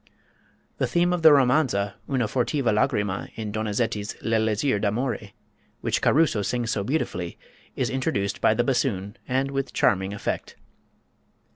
The theme of the romanza, "Una fortiva lagrima," in Donizetti's "L'Elisir d'Amore," which Caruso sings so beautifully, is introduced by the bassoon, and with charming effect.